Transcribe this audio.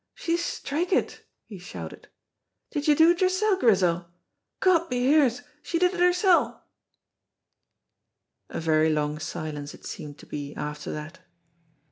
"She's straikit!" he shouted. "Did you do it yoursel', Grizel? God behears, she did it hersel'!" A very long silence it seemed to be after that.